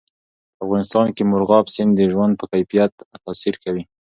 په افغانستان کې مورغاب سیند د ژوند په کیفیت تاثیر کوي.